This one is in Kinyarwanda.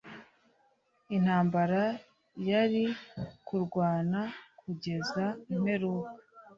Intambara yari kurwana kugeza imperuka